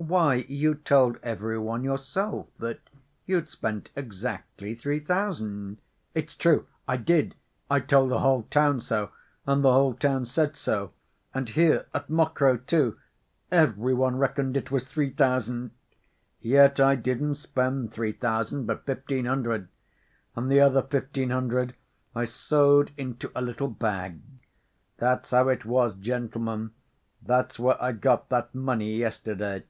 "Why, you told every one yourself that you'd spent exactly three thousand." "It's true, I did. I told the whole town so, and the whole town said so. And here, at Mokroe, too, every one reckoned it was three thousand. Yet I didn't spend three thousand, but fifteen hundred. And the other fifteen hundred I sewed into a little bag. That's how it was, gentlemen. That's where I got that money yesterday...."